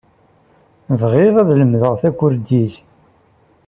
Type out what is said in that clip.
Bɣiɣ ad lemdeɣ takurdit.